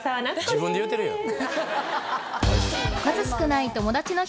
自分で言うてるやん。